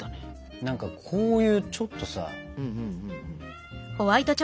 何かこういうちょっとさ。